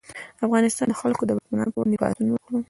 د افغانستان خلکو د واکمنانو پر وړاندې پاڅون وکړ.